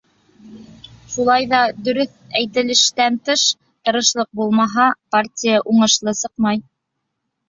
Шулай ҙа дөрөҫ әйтелештән тыш, тырышлыҡ булмаһа, партия уңышлы сыҡмай.